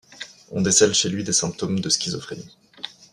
On décèle chez lui des symptômes de schizophrénie.